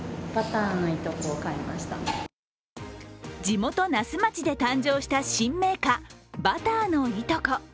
地元・那須町で誕生した新銘菓、バターのいとこ。